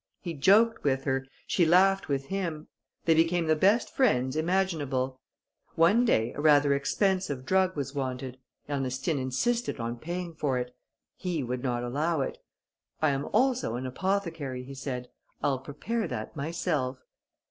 He joked with her, she laughed with him; they became the best friends imaginable. One day a rather expensive drug was wanted: Ernestine insisted on paying for it; he would not allow it; "I am also an apothecary," he said; "I prepare that myself."